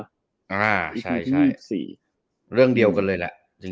อ่าใช่๔เรื่องเดียวกันเลยแหละ